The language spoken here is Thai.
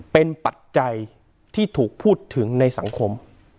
เป็นปัจจัยที่ถูกพูดถึงในสังคม